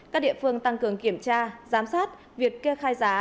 các địa phương tăng cường kiểm tra giám sát việc kê khai giá